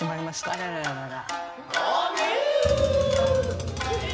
あらららららら。